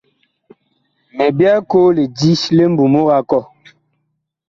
Mi byɛɛ koo lidi li mbumug a kɔh.